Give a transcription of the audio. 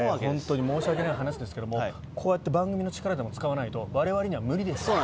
本当に申し訳ない話ですけども、こうやって番組の力でも使わないと、われわれには無理です。